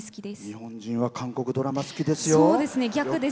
日本人は韓国ドラマ好きですよ。